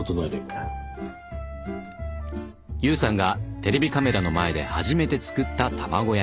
悠さんがテレビカメラの前で初めて作った卵焼き。